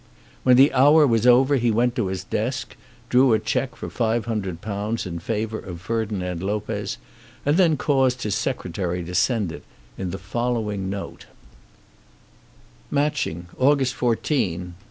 When the hour was over he went to his desk, drew a cheque for £500 in favour of Ferdinand Lopez, and then caused his Secretary to send it in the following note: Matching, August 4, 187